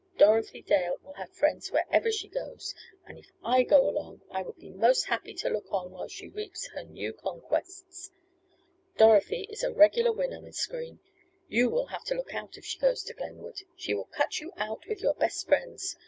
Dorothy Dale will have friends whereever she goes and if I could go, I would be most happy to look on while she reaps her new conquests. Dorothy is a regular winner, Miss Green. You will have to look out if she goes to Glenwood. She will cut you out with your best friends.